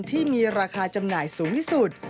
ที่มีราคาจำหน่ายสูงที่สุด